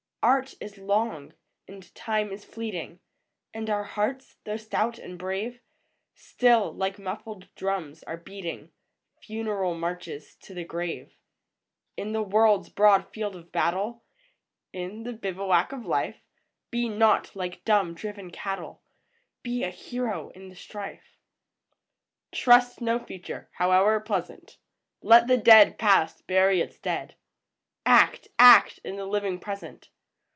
Art is long, and Time is fleeting, And our hearts, though stout and brave, Still, like muffled drums, are beating Funeral marches to the grave. In the world's broad field of battle, In the bivouac of Life, Be not like dumb, driven cattle ! Be a hero in the strife ! Trust no Future, howe'er pleasant ! Let the dead Past bury its dead ! Act, — act in the living Present